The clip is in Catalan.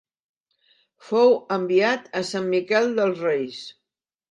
Fou enviat a Sant Miquel dels Reis.